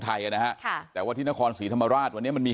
ไทยอ่ะนะฮะค่ะแต่ว่าที่นครศรีธรรมราชวันนี้มันมี